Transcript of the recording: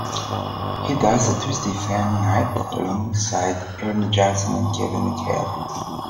He does the Tuesday Fan Night alongside Ernie Johnson and Kevin McHale.